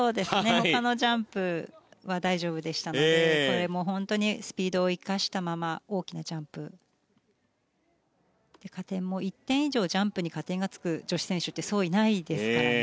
ほかのジャンプは大丈夫でしたのでこれも本当にスピードを生かしたまま大きなジャンプ加点も１点以上ジャンプに加点がつく女子選手ってそういないですからね。